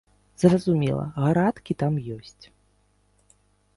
Зразумела, градкі там ёсць.